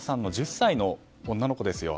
１０歳の女の子ですよ